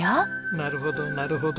なるほどなるほど。